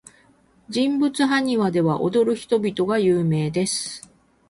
人物埴輪では、踊る人々が有名です。